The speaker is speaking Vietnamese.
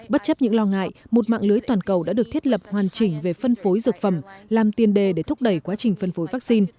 bất chấp những lo ngại một mạng lưới toàn cầu đã được thiết lập hoàn chỉnh về phân phối dược phẩm làm tiền đề để thúc đẩy quá trình phân phối vaccine